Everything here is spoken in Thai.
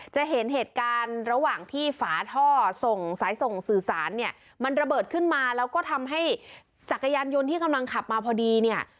จะเห็นเหตุการณ์ระหว่างที่ฝาท่อส่งสายส่งสื่อสารเนี่ยมันระเบิดขึ้นมาแล้วก็ทำให้จักรยานยนต์ที่กำลังขับมาพอดีเนี่ย